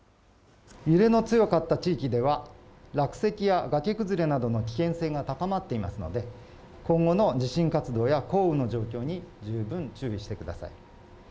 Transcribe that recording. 揺れの強かった地域では落石や崖崩れなどの危険性が高まっていますので、今後の地震活動や降雨の状況に十分注意してください。